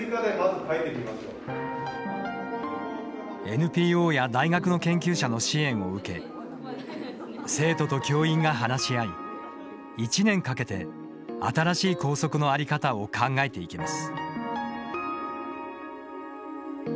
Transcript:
ＮＰＯや大学の研究者の支援を受け生徒と教員が話し合い１年かけて新しい校則のあり方を考えていきます。